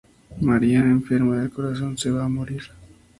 María, enferma del corazón, se va a morir.